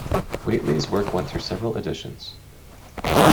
Whately's work went through several editions.